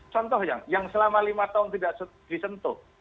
contoh yang selama lima tahun tidak disentuh